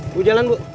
bu jalan bu